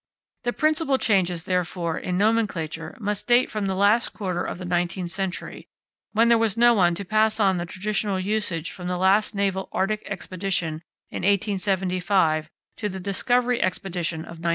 The principal changes, therefore, in nomenclature must date from the last quarter of the nineteenth century, when there was no one to pass on the traditional usage from the last naval Arctic Expedition in 1875 to the Discovery Expedition of 1901.